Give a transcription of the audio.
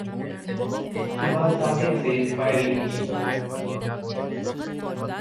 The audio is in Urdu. صبح صادق سے فائرنگ کی